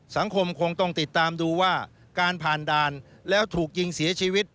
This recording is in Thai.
สังคมคงต้องติดตามดูว่าการผ่านด่านแล้วถูกยิงเสียชีวิต